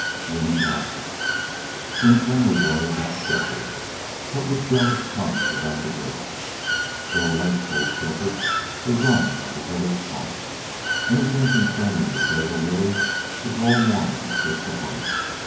Women gossiped, in a friendly way about Shefford, but with jealous tongues about the girl. Joe Lake told Shefford the run of the village talk. Anything concerning the Sago Lily the droll Mormon took to heart.